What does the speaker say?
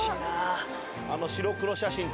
あの白黒写真と。